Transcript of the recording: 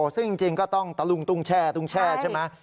ซึ่งจริงก็ต้องตะลุงตุ้งแช่ตุ้งแช่ใช่ไหม